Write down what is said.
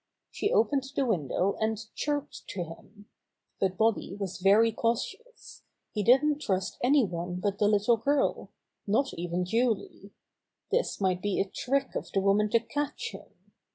She opened the window and chirped to him. But Bobby was very cautious. He didn't trust any one but the little girl — not even Julie. This might be a trick of the woman to catch him.